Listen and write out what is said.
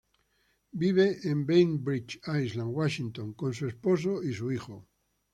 Vive en Bainbridge Island, Washington, con su esposo y su hijo.